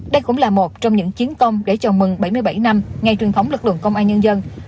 đây cũng là một trong những chiến công để chào mừng bảy mươi bảy năm ngày truyền thống lực lượng công an nhân dân